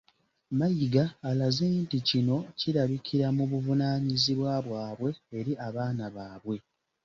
Mayiga alaze nti kino kirabikira mu buvunaanyizibwa bwabwe eri abaana baabwe.